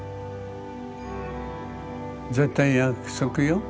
絶対約束よ？